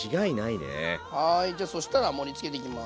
はいじゃそしたら盛りつけていきます。